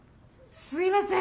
すみません。